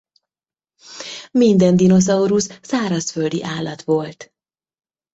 Minden dinoszaurusz szárazföldi állat volt.